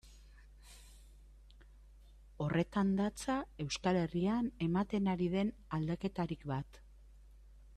Horretan datza Euskal Herrian ematen ari den aldaketarik bat.